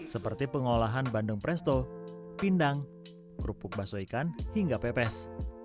seperti pengolahan bandeng presto pindang kerupuk bakso ikan hingga pepes